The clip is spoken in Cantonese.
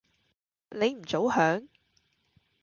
你唔早響？